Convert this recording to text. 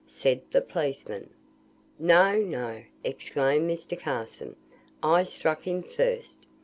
said the policeman. "No, no," exclaimed Mr. Carson; "I struck him first.